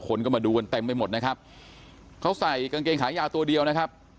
คนก็มาดูกันเต็มไปหมดนะครับเขาใส่กางเกงขายาวตัวเดียวนะครับ